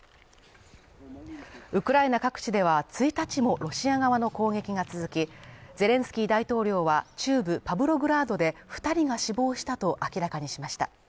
ウクライナ各地では１日もロシア側の攻撃が続き、ゼレンスキー大統領は中部パブログラードで２人が死亡したと明らかにしました。